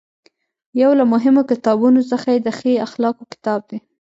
یو له مهمو کتابونو څخه یې د ښې اخلاقو کتاب دی.